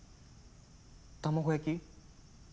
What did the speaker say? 卵焼き？